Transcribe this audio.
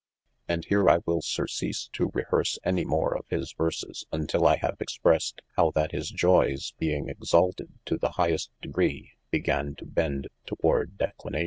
And here I wyll surcease to rehearse any more of his verses until I have expressed how yl his joyes being exalted to the highest degree began to bend towards declinatio.